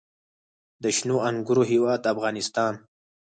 د شنو انګورو هیواد افغانستان.